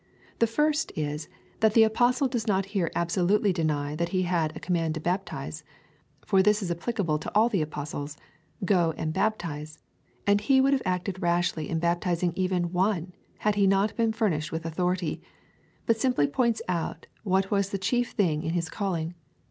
The first is, that the Apostle does not here absolutely deny that he had a command to baptize, for this is applicable to all the Apostles: Go and baptize ; and he would have acted rashly in baptizing even one, had he not been furnished with autho rity, but simply points out what was the chief thing in his calling.